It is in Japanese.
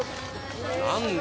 何だ？